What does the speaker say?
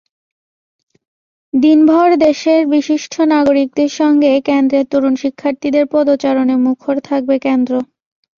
দিনভর দেশের বিশিষ্ট নাগরিকদের সঙ্গে কেন্দ্রের তরুণ শিক্ষার্থীদের পদচারণে মুখর থাকবে কেন্দ্র।